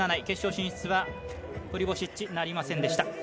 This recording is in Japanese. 決勝進出はプリボシッチ、なりませんでした。